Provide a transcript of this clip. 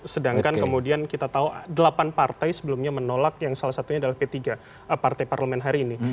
sedangkan kemudian kita tahu delapan partai sebelumnya menolak yang salah satunya adalah p tiga partai parlemen hari ini